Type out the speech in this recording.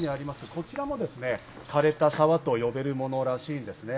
こちらも枯れた沢と呼べるものらしいんですね。